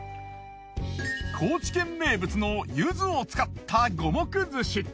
高知県名物のゆずを使った五目寿司。